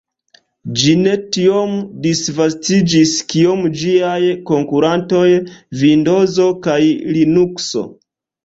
Ĝi ne tiom disvastiĝis kiom ĝiaj konkurantoj Vindozo kaj Linukso.